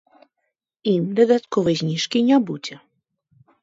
Ім дадатковай зніжкі не будзе.